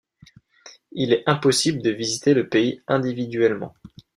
Il est impossible de visiter le pays individuellement.